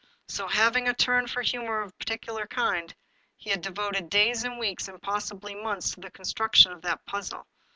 So, having a turn for humor of a peculiar kind, he had devoted days, and weeks, and possibly months, to the construction of that puzzle.